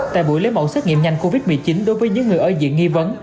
tại buổi lấy mẫu xét nghiệm nhanh covid một mươi chín đối với những người ở diện nghi vấn